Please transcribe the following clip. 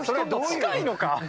近いのか？